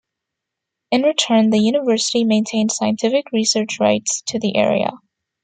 In return, the university maintained scientific research rights to the area.